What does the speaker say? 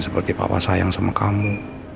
seperti papa sayang sama kamu